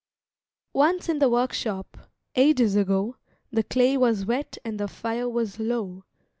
Once in the Workshop, ages ago, The clay was wet and the fire was low.